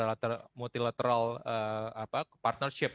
jadi akan condong kepada multilateral partnership